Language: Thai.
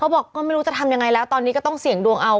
บอกก็ไม่รู้จะทำยังไงแล้วตอนนี้ก็ต้องเสี่ยงดวงเอา